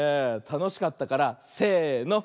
たのしかったからせの。